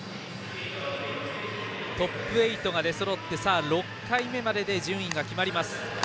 トップ８が出そろって６回目までで順位が決まります。